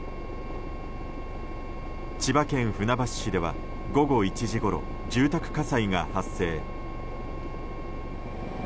千葉県船橋市では午後１時ごろ住宅火災が発生。